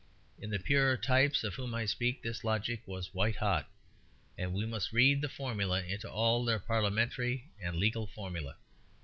In the purer types of whom I speak this logic was white hot, and we must read the formula into all their parliamentary and legal formulæ.